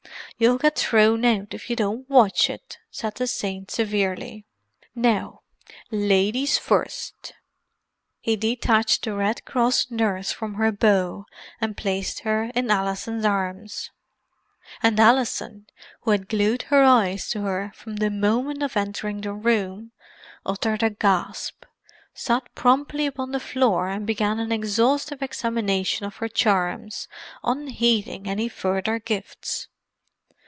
"You'll get thrown out, if you don't watch it!" said the saint severely. "Now—ladies first!" He detached the Red Cross nurse from her bough and placed her in Alison's arms; and Alison, who had glued her eyes to her from the moment of entering the room, uttered a gasp, sat promptly upon the floor, and began an exhaustive examination of her charms, unheeding any further gifts.